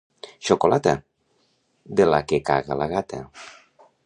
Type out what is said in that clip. —Xocolata! —De la que caga la gata.